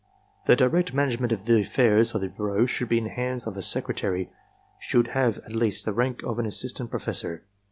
The direct manage ment of the affairs of the bureau should be in the hands of a secretary, who should have at least the rank of an assistant professor.